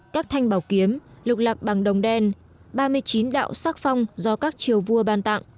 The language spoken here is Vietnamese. các thanh bảo kiếm lục lạc bằng đồng đen ba mươi chín đạo sắc phong do các triều vua ban tặng